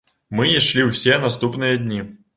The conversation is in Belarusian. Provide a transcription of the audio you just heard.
Мы ішлі ўсе наступныя дні.